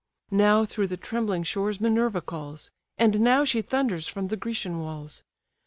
Now through the trembling shores Minerva calls, And now she thunders from the Grecian walls.